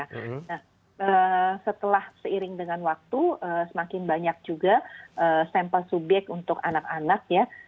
nah setelah seiring dengan waktu semakin banyak juga sampel subyek untuk anak anak ya